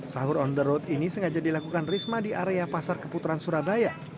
sahur on the road ini sengaja dilakukan risma di area pasar keputaran surabaya